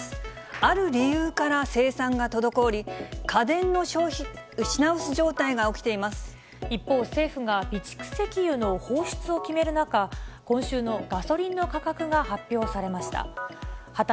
ある理由から生産が滞り、一方、政府が備蓄石油の放出を決める中、今週のガソリンの価格が発表されました。